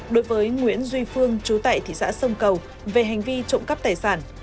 đối với nguyễn duy phương chú tại thị xã sông cầu về hành vi trộm cắp tài sản